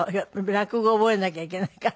落語を覚えなきゃいけないから。